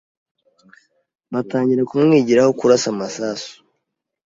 batangira kumwigiraho kurasa amasasu